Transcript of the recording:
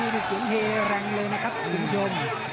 พี่สุงเฮแรงเลยนะครับสุงชม